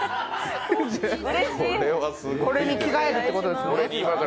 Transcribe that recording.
これに着替えるってことですね。